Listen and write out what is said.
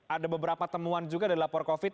ada beberapa temuan juga ada lapor covid